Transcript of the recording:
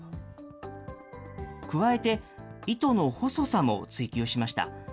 加えて糸の細さも追求しました。